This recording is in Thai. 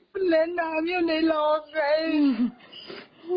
มันเล่นน้ำอยู่ในโรงชาว